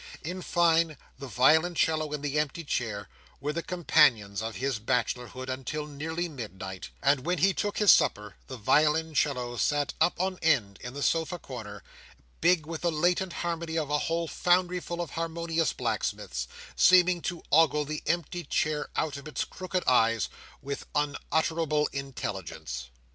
In fine, the violoncello and the empty chair were the companions of his bachelorhood until nearly midnight; and when he took his supper, the violoncello set up on end in the sofa corner, big with the latent harmony of a whole foundry full of harmonious blacksmiths, seemed to ogle the empty chair out of its crooked eyes, with unutterable intelligence.